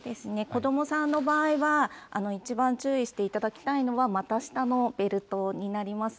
子どもさんの場合は、一番注意していただきたいのは、股下のベルトになります。